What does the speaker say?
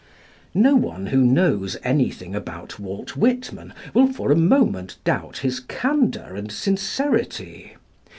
No one who knows anything about Walt Whitman will for a moment doubt his candour and sincerity.